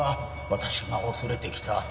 私が恐れてきた